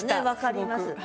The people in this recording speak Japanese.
分かります。